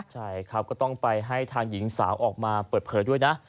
ใช่ครับก็ต้องไปให้ทางหญิงสาวออกมาเปิดเผยด้วยนะ